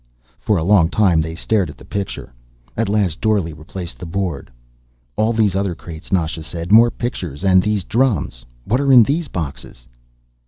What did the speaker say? For a long time they stared at the picture. At last Dorle replaced the board. "All these other crates," Nasha said. "More pictures. And these drums. What are in the boxes?"